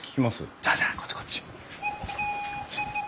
じゃあじゃあこっちこっち。